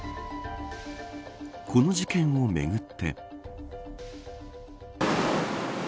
この事件をめぐって。